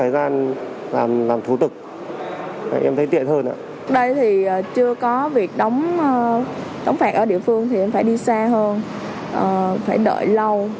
đây thì chưa có việc đóng phạt ở địa phương thì em phải đi xa hơn phải đợi lâu